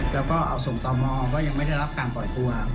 แล้วก็เอาส่งต่อมอก็ยังไม่ได้รับการปล่อยตัว